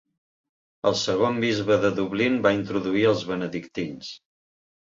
El segon bisbe de Dublín va introduir els benedictins.